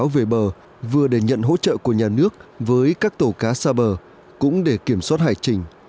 về bờ vừa để nhận hỗ trợ của nhà nước với các tàu cá xa bờ cũng để kiểm soát hải trình